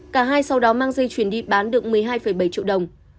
cả hai sau đó mang dây chuyển đi bán được một mươi hai bảy triệu đồng